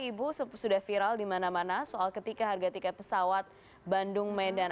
ibu sudah viral di mana mana soal ketika harga tiket pesawat bandung medan